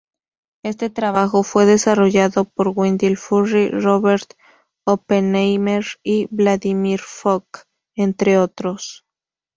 Este trabajo fue desarrollado por Wendell Furry, Robert Oppenheimer y Vladimir Fock, entre otros.